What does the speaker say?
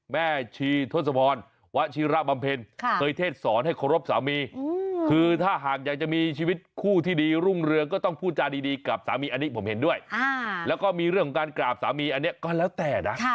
แล้วก็มีเรื่องการกราบสามีอันนี้ก็แล้วแต่นะ